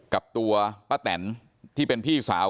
กับตัวป้าแตนที่เป็นพี่สาว